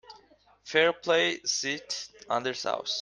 Fairplay sieht anders aus.